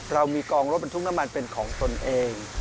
เรามีกองรถบรรทุกน้ำมันเป็นของตนเอง